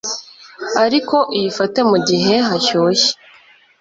ariko uyifate mugihe hashyushye